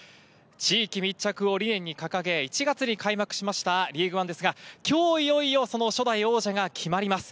地域密着を理念に掲げ、１月に開幕しましたリーグワンですが、今日いよいよ、その初代王者が決まります。